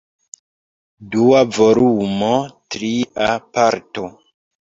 Dua volumo, Tria Parto.